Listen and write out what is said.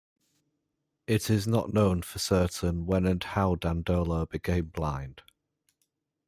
It is not known for certain when and how Dandolo became blind.